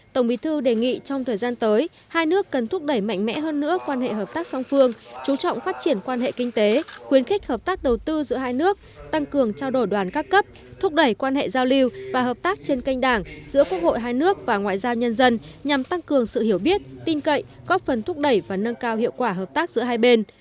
tổng bí thư đề nghị trong thời gian tới hai nước cần thúc đẩy mạnh mẽ hơn nữa quan hệ hợp tác song phương chú trọng phát triển quan hệ kinh tế khuyến khích hợp tác đầu tư giữa hai nước tăng cường trao đổi đoàn các cấp thúc đẩy quan hệ giao lưu và hợp tác trên canh đảng giữa quốc hội hai nước và ngoại giao nhân dân nhằm tăng cường sự hiểu biết tin cậy góp phần thúc đẩy và nâng cao hiệu quả hợp tác giữa hai bên